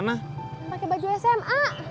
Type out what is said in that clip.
yang pake baju sma